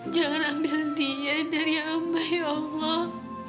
jangan ambil dia dari amba ya allah